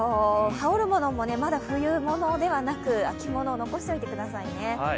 羽織るものもまだ冬物ではなく、秋物、残しておいてくださいね。